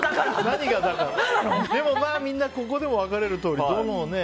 みんなここでも分かれるとおりね。